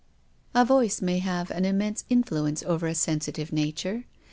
A voice may have an immense influence over a sensitive nature.